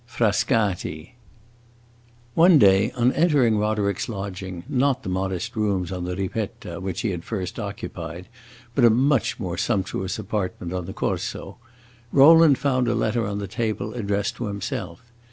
Frascati One day, on entering Roderick's lodging (not the modest rooms on the Ripetta which he had first occupied, but a much more sumptuous apartment on the Corso), Rowland found a letter on the table addressed to himself.